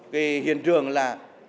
cái hiện trường là